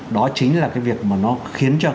đó chính là cái việc mà nó khiến cho